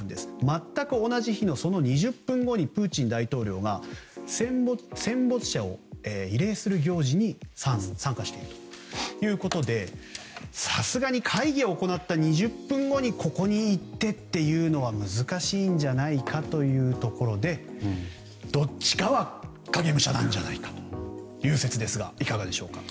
全く同じ日のその２０分後にプーチン大統領が戦没者を慰霊する行事に参加しているということでさすがに会議を行った２０分後にここに行ってというのは難しいんじゃないかということでどっちかは影武者なんじゃないかという説ですがいかがでしょうか。